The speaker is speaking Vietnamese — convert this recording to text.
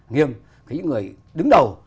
nghiêm những người đứng đầu